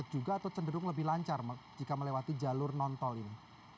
apakah jalur non tol itu cenderung lebih lancar jika melewati jalur non tol ini